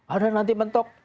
ada nanti mentok